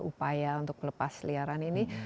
upaya untuk melepas liaran ini